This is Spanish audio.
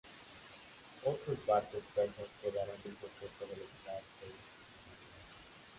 Otros barcos persas quedaron destruidos cerca de la ciudad de Melibea.